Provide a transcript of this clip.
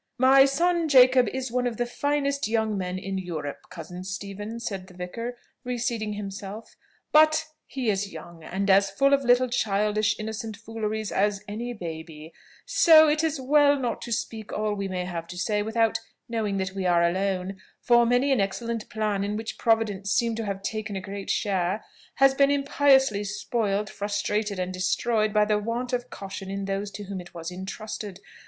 "My son Jacob is one of the finest young men in Europe, cousin Stephen," said the vicar, reseating himself; "but he is young, and as full of little childish innocent fooleries as any baby: so it is as well not to speak all we may have to say, without knowing that we are alone; for many an excellent plan in which Providence seemed to have taken a great share, has been impiously spoiled, frustrated, and destroyed, by the want of caution in those to whom it was intrusted.